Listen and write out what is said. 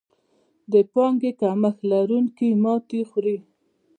د پانګې کمښت لرونکي ماتې خوري.